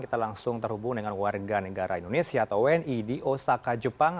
kita langsung terhubung dengan warga negara indonesia atau wni di osaka jepang